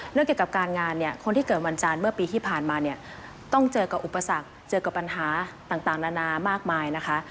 เรื่องเกี่ยวกับการงานเนี่ยคนที่เกิดวันจานเมื่อปีที่ผ่านมาเนี่ยต้องเจอกับอุปสรรคเจอกับปัญหาต่างนานามากมายนะคะ